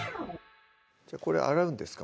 じゃあこれ洗うんですか？